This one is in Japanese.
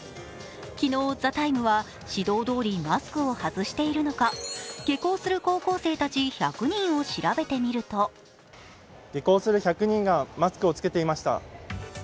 昨日、「ＴＨＥＴＩＭＥ，」は指導どおりマスクを外しているのか下校する高校生たち１００人を調べてみると下校する１００人がマスクを着けていました。